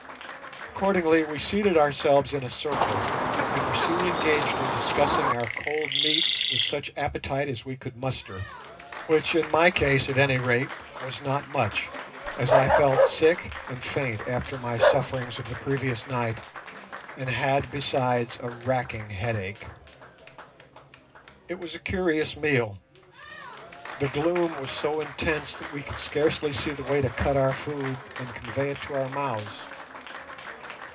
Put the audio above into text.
Accordingly we seated ourselves in a circle, and were soon engaged in discussing our cold meat with such appetite as we could muster, which, in my case at any rate, was not much, as I felt sick and faint after my sufferings of the previous night, and had besides a racking headache. It was a curious meal. The gloom was so intense that we could scarcely see the way to cut our food and convey it to our mouths.